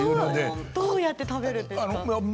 どうやって食べるんですか？